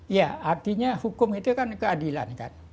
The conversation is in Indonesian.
ya artinya hukum itu kan keadilan kan